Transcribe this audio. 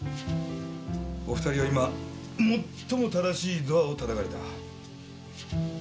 お２人は今最も正しいドアを叩かれた。